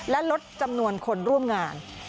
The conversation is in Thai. และลดจำนวนคนร่วมงาน